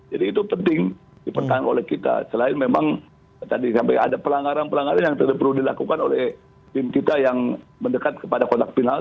jadi itu penting dipertahankan oleh kita selain memang tadi sampai ada pelanggaran pelanggaran yang perlu dilakukan oleh tim kita yang mendekat kepada kotak penalti